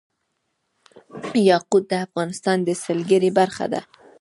یاقوت د افغانستان د سیلګرۍ برخه ده.